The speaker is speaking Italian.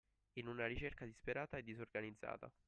In una ricerca disperata e disorganizzata.